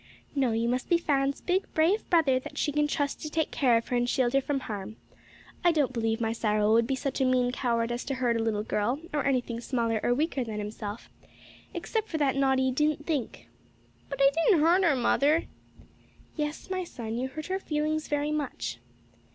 "No, you must be Fan's big brave brother that she can trust to take care of her and shield her from harm. I don't believe my Cyril would be such a mean coward as to hurt a little girl or anything smaller or weaker than himself, except for that naughty 'didn't think!'" "But I didn't hurt her, mother." "Yes, my son, you hurt her feelings very much."